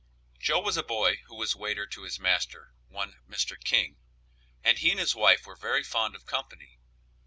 Joe was a boy who was waiter to his master, one Mr. King, and he and his wife were very fond of company.